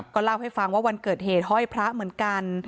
ก็เล่าให้ฟังว่าวันเกิดเหตุห้อยพระเหมือนกัน